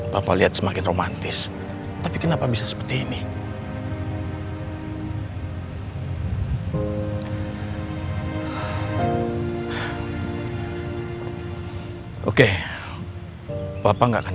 sampai akhirnya dia gak tahan